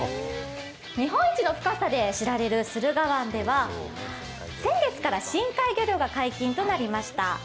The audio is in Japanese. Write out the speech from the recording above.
日本一の深さで知られる駿河湾では先月から深海魚漁が解禁となりました。